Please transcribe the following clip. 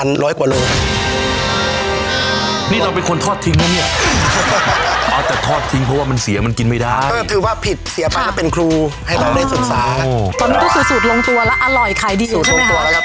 ตอนนี้ก็คือสูตรลงตัวแล้วอร่อยขายดีอยู่ใช่ไหมครับ